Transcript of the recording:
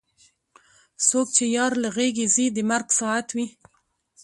څوک چې یار له غېږې ځي د مرګ ساعت وي.